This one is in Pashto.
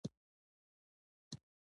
د افغانستان روټ مشهور دی